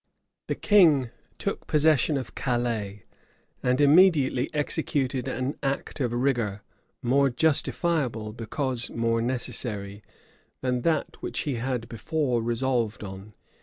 The king took possession of Calais; and immediately executed an act of rigor, more justifiable, because more necessary, than that which he had before resolved on.